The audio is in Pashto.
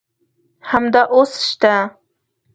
همدا اوس شته.